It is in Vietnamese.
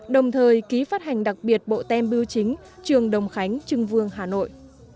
đồng thời ký phát hành đặc biệt bộ tem biêu chính trường đồng khánh trưng vương hà nội